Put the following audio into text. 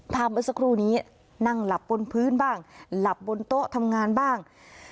เมื่อสักครู่นี้นั่งหลับบนพื้นบ้างหลับบนโต๊ะทำงานบ้าง